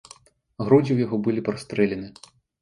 Грудзі ў яго былі прастрэлены.